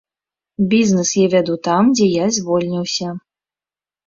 Бізнэс я вяду там, дзе я звольніўся.